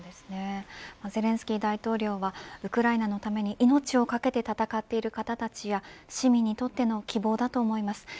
ゼレンスキー大統領はウクライナのために命を懸けて戦っている方たちや市民にとっての希望だと思います。